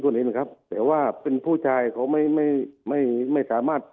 เห็นครับแต่ว่าเป็นผู้ชายเขาไม่ไม่ไม่สามารถ